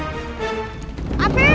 tapi basket bukan spokes